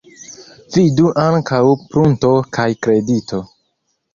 Vidu ankaŭ prunto kaj kredito.